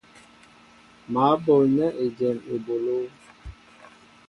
Mă ɓolnέ ejém ebolo.